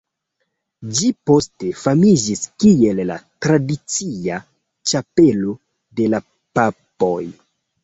Ĝi poste famiĝis kiel la tradicia ĉapelo de la papoj.